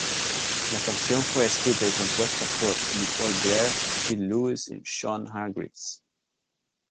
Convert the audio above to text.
La canción fue escrita y compuesta por Nicole Blair, Gil Lewis y Sean Hargreaves.